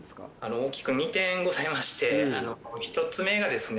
大きく２点ございまして１つ目がですね